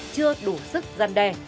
chưa đủ sức gian đe